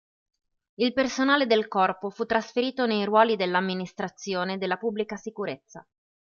Il personale del corpo fu trasferito nei ruoli dell'amministrazione della pubblica sicurezza.